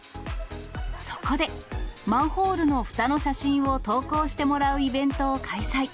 そこで、マンホールのふたの写真を投稿してもらうイベントを開催。